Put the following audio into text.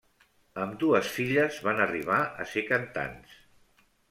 Ambdues filles van arribar a ser cantants.